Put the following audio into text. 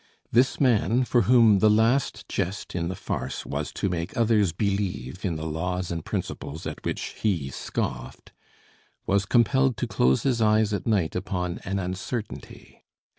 This man, for whom the last jest in the farce was to make others believe in the laws and principles at which he scoffed, was compelled to close his eyes at night upon an uncertainty.